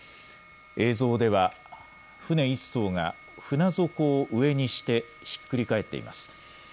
映像では舟１そうが船底を上にしてひっくり返っています。